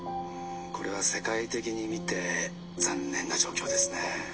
「これは世界的に見て残念な状況ですね。